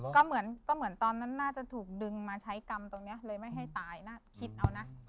ก็เหมือนก็เหมือนตอนนั้นน่าจะถูกดึงมาใช้กรรมตรงนี้เลยไม่ให้ตายคิดเอานะ